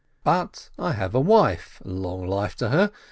But I have a wife (long life to her!)